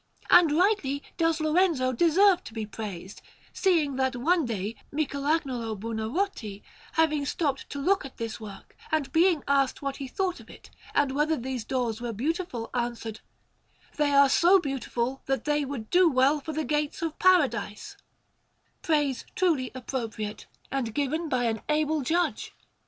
And right truly does Lorenzo deserve to be praised, seeing that one day Michelagnolo Buonarroti, having stopped to look at this work, and being asked what he thought of it, and whether these doors were beautiful, answered: "They are so beautiful that they would do well for the gates of Paradise": praise truly appropriate, and given by an able judge.